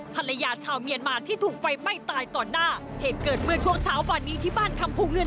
ภรรยาชาวเมียนมาที่ถูกไฟไหม้ตายต่อหน้าเหตุเกิดเมื่อช่วงเช้าวันนี้ที่บ้านคำภูเงิน